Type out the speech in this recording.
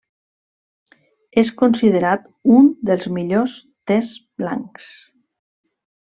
És considerat un dels millors tes blancs.